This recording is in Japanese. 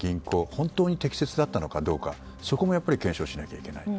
本当に適切だったのかどうかそこも検証しなければいけない。